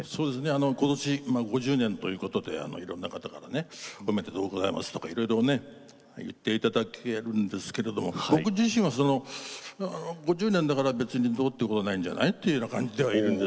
今年、５０年ということでいろんな方からおめでとうございますとかいろいろ言っていただけるんですけど僕自身は５０年だから別にどうってことはないんじゃないという感じでいるんです。